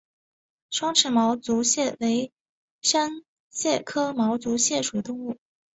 双齿毛足蟹为扇蟹科毛足蟹属的动物。